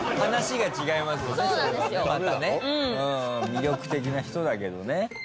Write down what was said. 魅力的な人だけどね。